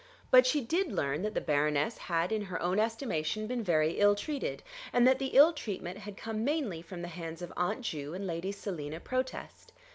But she did learn that the Baroness had in her own estimation been very ill treated, and that the ill treatment had come mainly from the hands of Aunt Ju and Lady Selina Protest.